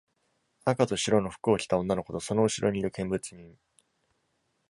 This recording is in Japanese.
赤と白の服を着た女の子とその後ろにいる見物人。